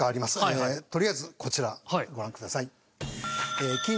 とりあえずこちらご覧ください。